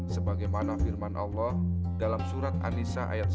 sebagaimana firman allah dalam surat anisa ayat sepuluh